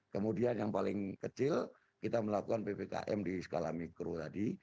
kemudian yang paling kecil kita melakukan ppkm di skala mikro tadi